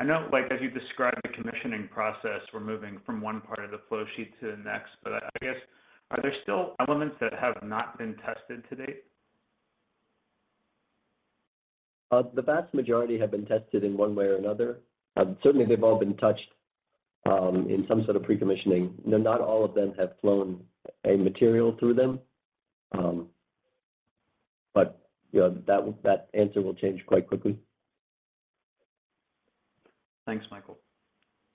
I know, like, as you described the commissioning process, we're moving from one part of the flow sheet to the next. I guess, are there still elements that have not been tested to date? The vast majority have been tested in one way or another. Certainly, they've all been touched in some sort of pre-commissioning. Not all of them have flown a material through them. You know, that answer will change quite quickly. Thanks, Michael.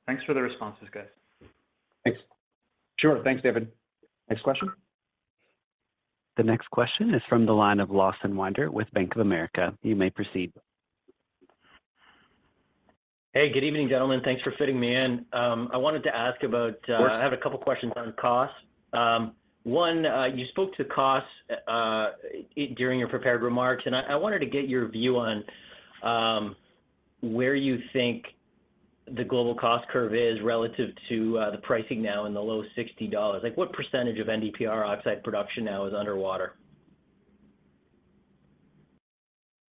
Thanks for the responses, guys. Thanks. Sure. Thanks, David. Next question. The next question is from the line of Lawson Winder with Bank of America. You may proceed. Hey, good evening, gentlemen. Thanks for fitting me in. I wanted to ask about. Of course. I have a couple questions on costs. One, you spoke to costs during your prepared remarks, and I wanted to get your view on where you think the global cost curve is relative to the pricing now in the low $60. Like, what percentage of NdPr oxide production now is underwater?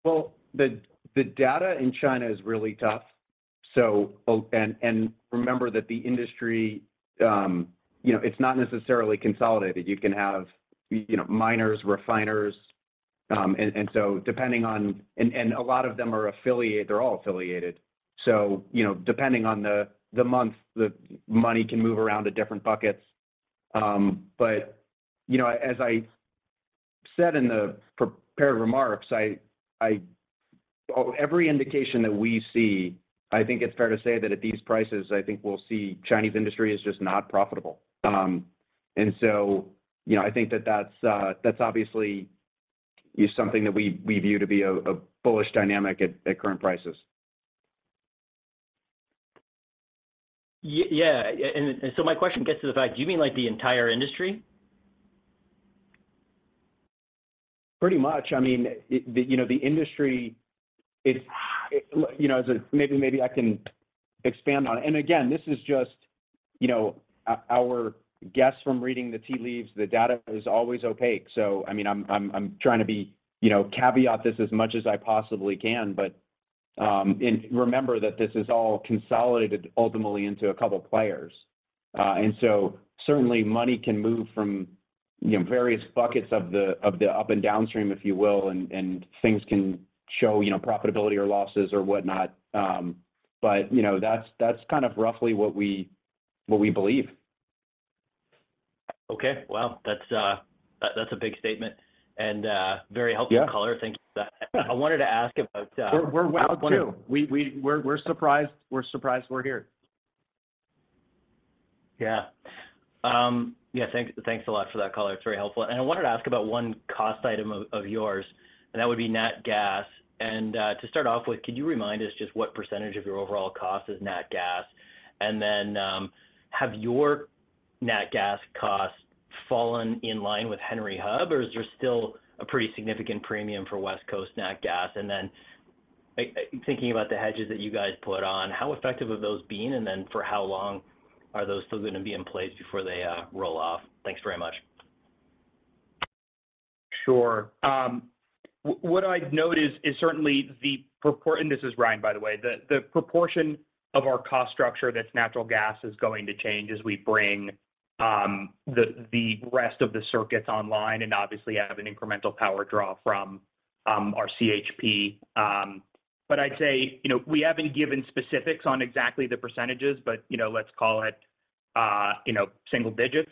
Well, the data in China is really tough. And remember that the industry, you know, it's not necessarily consolidated. You can have, you know, miners, refiners. A lot of them are affiliate. They're all affiliated. You know, depending on the month, the money can move around to different buckets. You know, as I said in the prepared remarks, every indication that we see, I think it's fair to say that at these prices, I think we'll see Chinese industry is just not profitable. You know, I think that that's obviously is something that we view to be a bullish dynamic at current prices. Yeah. So my question gets to the fact, do you mean, like, the entire industry? Pretty much. I mean, the, you know, the industry, it's, you know, Maybe I can expand on it. Again, this is just, you know, our guess from reading the tea leaves. The data is always opaque. I mean, I'm trying to be, you know, caveat this as much as I possibly can. Remember that this is all consolidated ultimately into a couple players. Certainly money can move from, you know, various buckets of the, of the up and downstream, if you will, and things can show, you know, profitability or losses or whatnot. You know, that's kind of roughly what we believe. Okay. Well, that's a big statement and, very helpful color. Yeah. Thank you for that. I wanted to ask about. We're, we're wowed too. We're, we're surprised we're here. Yeah. Yeah, thanks a lot for that color. It's very helpful. I wanted to ask about one cost item of yours, and that would be nat gas. To start off with, could you remind us just what percentage of your overall cost is nat gas? Then, have your nat gas costs fallen in line with Henry Hub, or is there still a pretty significant premium for West Coast nat gas? Then, thinking about the hedges that you guys put on, how effective have those been? Then, for how long are those still gonna be in place before they roll off? Thanks very much. Sure. What I'd note is certainly, and this is Ryan, by the way. The proportion of our cost structure that's natural gas is going to change as we bring the rest of the circuits online and obviously have an incremental power draw from our CHP. I'd say, you know, we haven't given specifics on exactly the percentages, but, you know, let's call it, you know, single digits.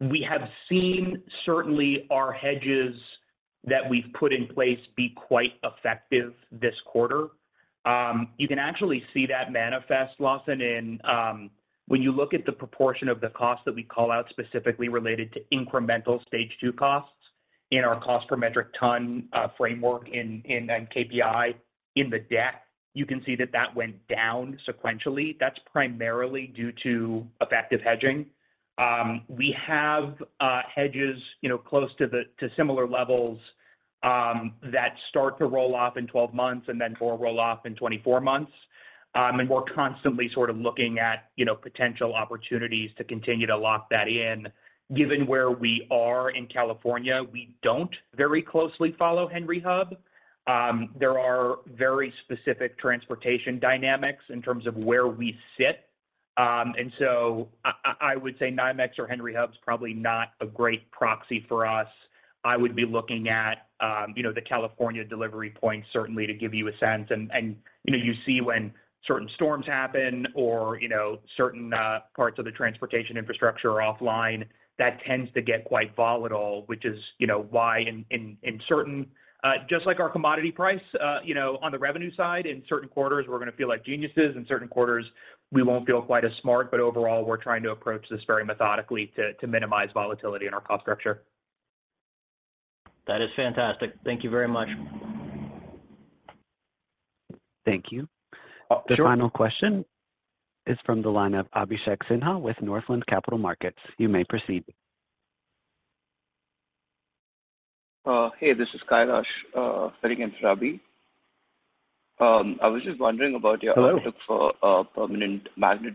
We have seen certainly our hedges that we've put in place be quite effective this quarter. You can actually see that manifest, Lawson, in, when you look at the proportion of the cost that we call out specifically related to incremental Stage II costs in our cost per metric ton framework in and KPI in the deck. You can see that that went down sequentially. That's primarily due to effective hedging. We have hedges, you know, to similar levels, that start to roll off in 12 months and then four roll off in 24 months. We're constantly sort of looking at, you know, potential opportunities to continue to lock that in. Given where we are in California, we don't very closely follow Henry Hub. There are very specific transportation dynamics in terms of where we sit. I would say NYMEX or Henry Hub is probably not a great proxy for us. I would be looking at, you know, the California delivery points certainly to give you a sense. You know, you see when certain storms happen or, you know, certain parts of the transportation infrastructure are offline, that tends to get quite volatile, which is, you know, why in certain just like our commodity price, you know, on the revenue side, in certain quarters we're gonna feel like geniuses, in certain quarters we won't feel quite as smart. Overall, we're trying to approach this very methodically to minimize volatility in our cost structure. That is fantastic. Thank you very much. Thank you. Sure. The final question is from the line of Abhishek Sinha with Northland Capital Markets. You may proceed. Hey, this is Kailash, heading in for Abi. I was just wondering about your-. Hello Outlook for permanent magnet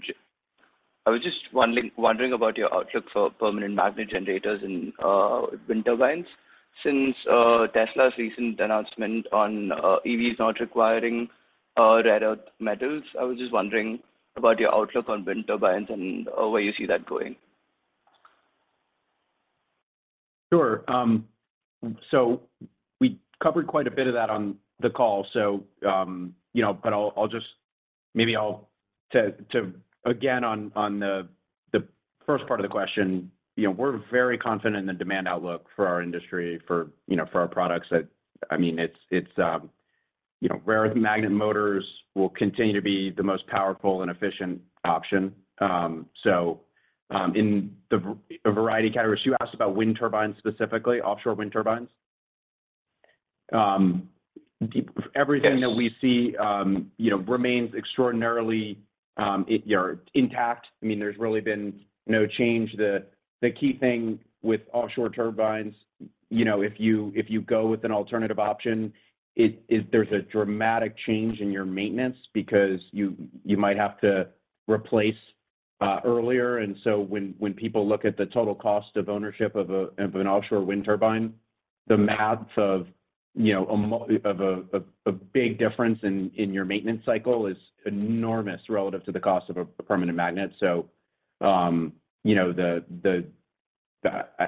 generators in wind turbines. Since Tesla's recent announcement on EVs not requiring rare earth metals, I was just wondering about your outlook on wind turbines and where you see that going. Sure. We covered quite a bit of that on the call. You know, but I'll just maybe I'll to again on the first part of the question, you know, we're very confident in the demand outlook for our industry for, you know, for our products that. I mean, it's, you know, rare magnet motors will continue to be the most powerful and efficient option. In a variety. Kailash, you asked about wind turbines, specifically offshore wind turbines? Yes Everything that we see, you know, remains extraordinarily intact. I mean, there's really been no change. The key thing with offshore turbines, you know, if you, if you go with an alternative option, there's a dramatic change in your maintenance because you might have to replace earlier. When people look at the total cost of ownership of an offshore wind turbine, the math of, you know, a big difference in your maintenance cycle is enormous relative to the cost of a permanent magnet.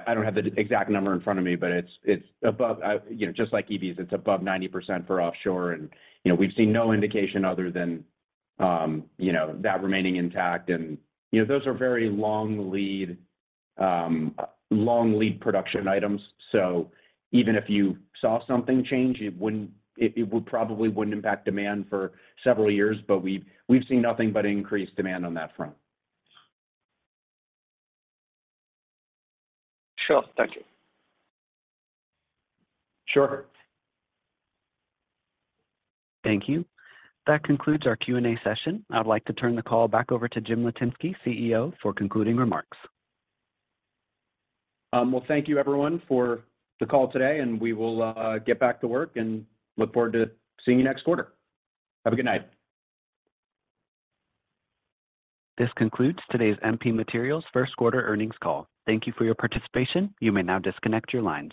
I don't have the exact number in front of me, but it's above, you know, just like EVs, it's above 90% for offshore. You know, we've seen no indication other than, you know, that remaining intact and, you know, those are very long lead, long lead production items. Even if you saw something change, it would probably wouldn't impact demand for several years. We've seen nothing but increased demand on that front. Sure. Thank you. Sure. Thank you. That concludes our Q&A session. I'd like to turn the call back over to James Litinsky, CEO, for concluding remarks. Well, thank you, everyone, for the call today, and we will get back to work and look forward to seeing you next quarter. Have a good night. This concludes today's MP Materials first-quarter earnings call. Thank you for your participation. You may now disconnect your lines.